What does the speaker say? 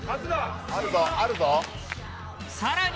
さらに！